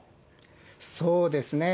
そうですね。